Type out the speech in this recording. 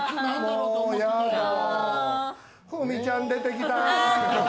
フミちゃん出てきた！